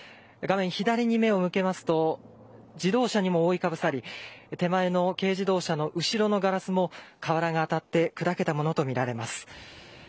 画面左に目を向けますと自動車にも覆いかぶさり手前の軽自動車の後ろのガラスの瓦が立って砕けたものとみられます。